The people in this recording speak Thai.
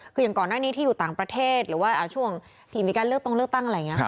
คืออย่างก่อนหน้านี้ที่อยู่ต่างประเทศหรือว่าช่วงที่มีการเลือกตรงเลือกตั้งอะไรอย่างนี้ค่ะ